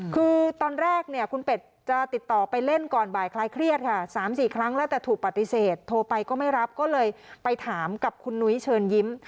คือตอนแรกเนี่ยคุณเป็ดจะติดต่อไปเล่นก่อนบ่ายคลายเครียดค่ะ๓๔ครั้งแล้วแต่ถูกปฏิเสธโทรไปก็ไม่รับก็เลยไปถามกับคุณนุ้ยเชิญยิ้ม